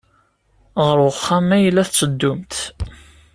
Ɣer uxxam ay la tetteddumt?